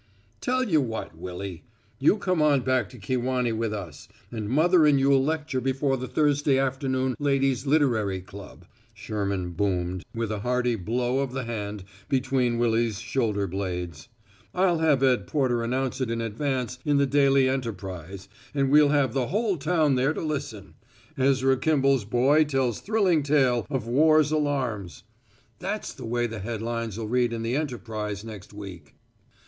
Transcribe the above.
"Tell you what, Willy: you come on back to Kewanee with us, and mother and you'll lecture before the Thursday Afternoon Ladies' Literary Club," Sherman boomed, with a hearty blow of the hand between Willy's shoulder blades. "I'll have Ed Porter announce it in advance in the Daily Enterprise, and we'll have the whole town there to listen. 'Ezra Kimball's Boy Tells Thrilling Tale of War's Alarms.' That's the way the head lines'll read in the Enterprise next week."